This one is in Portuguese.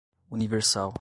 universal